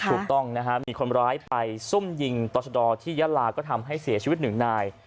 ถูกต้องนะฮะมีคนร้ายไปซุ่มยิงต่อชะดอที่ยะลาก็ทำให้เสียชีวิตหนึ่งนาย